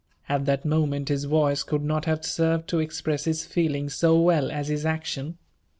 At that moment, his voice could not have served to express his feelings po well as bis action.